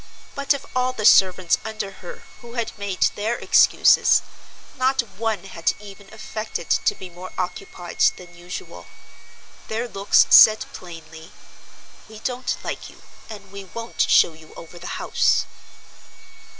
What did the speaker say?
But of all the servants under her who had made their excuses not one had even affected to be more occupied than usual. Their looks said plainly, "We don't like you; and we won't show you over the house."